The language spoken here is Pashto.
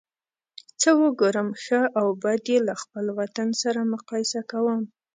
څه وګورم ښه او بد یې له خپل وطن سره مقایسه کوم.